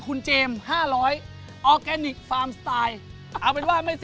คุณเจมส์